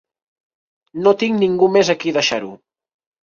No tinc ningú més a qui deixar-ho.